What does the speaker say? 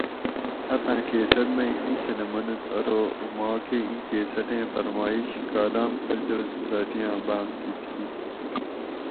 "اتھاں کیسٹ مئ ایں چھلہ منوت ارو "" ماکہ ایں کیسٹیں فرمایٔش کالام کلچرل سوسایٔٹی آں باۤم تھی تھی"""